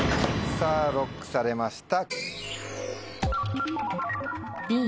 ＬＯＣＫされました。